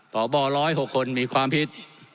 ผอ๑๐๖คนมีความพิษ